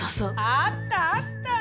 あったあった。